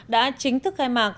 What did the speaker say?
đã chính thức khai mạc